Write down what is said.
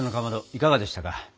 いかがでしたか？